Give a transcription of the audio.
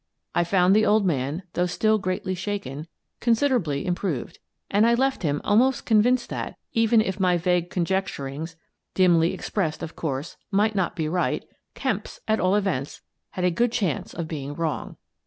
I found the old man, though still greatly shaken, considerably improved, and I left him almost convinced that, even if my vague conjecturings — dimly expressed, of course — might not be right, Kemp's, at all events, had a good chance of being wrong.